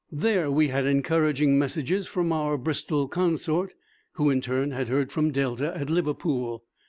There we had encouraging messages from our Bristol consort, who in turn had heard from Delta at Liverpool.